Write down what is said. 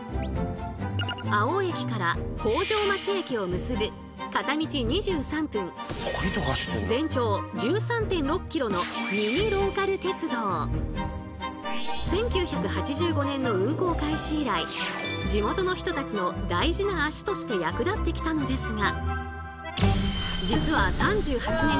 粟生駅から北条町駅を結ぶ片道２３分１９８５年の運行開始以来地元の人たちの大事な足として役立ってきたのですが。